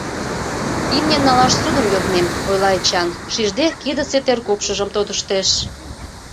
Имне налаш ссудым йоднем, — ойла Эчан, шижде, кидысе теркупшыжым тодыштеш.